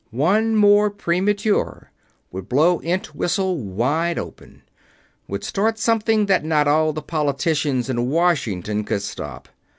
One more premature would blow Entwhistle wide open would start something that not all the politicians in Washington could stop.